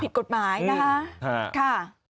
ผิดกฎหมายนะฮะ